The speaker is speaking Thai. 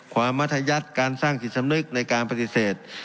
ความมัทยัตริการสร้างศีลสำนึกในการประติเสธ